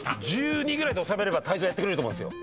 １２ぐらいで収めれば泰造やってくれると思うんすよ。